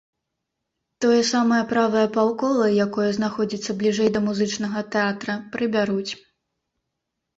Тое самае правае паўкола, якое знаходзіцца бліжэй да музычнага тэатра, прыбяруць.